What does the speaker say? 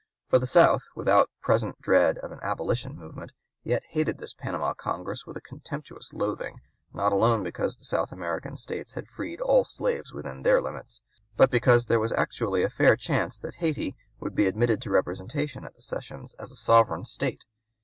For the South, without present dread of an abolition movement, yet hated this Panama Congress with a contemptuous loathing not alone because the South American states had freed all slaves within their limits, but because there was actually a fair chance that Hayti would be admitted to representation at the sessions as a sovereign state.